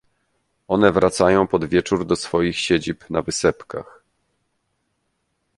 - One wracają pod wieczór do swoich siedzib na wysepkach.